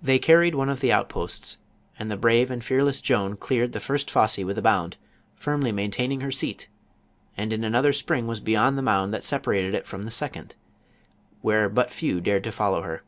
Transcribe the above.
They carried one of the outposts, and the brave and fearless Joan cleared the first fosse with a bound, firmly maintaining her seat, and in another spring was beyond the mound that separated it from the second, where but few dared to follow her.